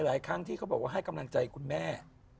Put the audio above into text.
หลายครั้งที่เขาบอกว่าให้กำลังใจคุณแม่